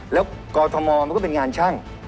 แล้วกอทมมันก็เป็นงานช่าง